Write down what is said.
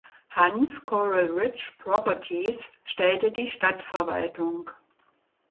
Hunts "Coral Ridge Properties" stellte die Stadtverwaltung.